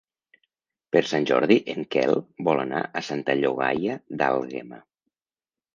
Per Sant Jordi en Quel vol anar a Santa Llogaia d'Àlguema.